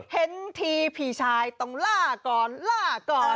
เห็นทีพี่ชายต้องล่าก่อนล่าก่อน